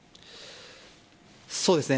そうですね。